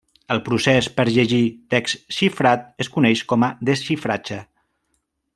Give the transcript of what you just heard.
El procés per llegir text xifrat es coneix com a desxifratge.